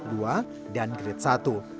kedua dan ketiga